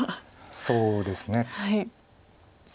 そうですね。